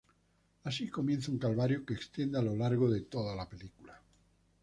Asi comienza un calvario que extiende a lo largo de toda la película.